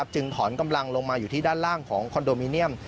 จึงถอนกำลังลงมาอยู่ที่ด้านล่างของคอนโดมิเนียม